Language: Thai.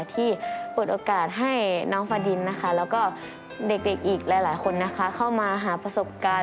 ที่เปิดโอกาสให้น้องฟาดินแล้วก็เด็กอีกหลายคนเข้ามาหาประสบการณ์